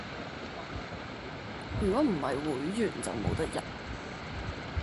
如果唔係會員就冇得入